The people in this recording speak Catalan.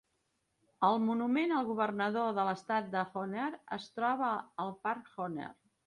El monument al governador de l'estat de Horner es troba al Parc Horner.